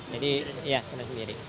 jadi ya sudah sendiri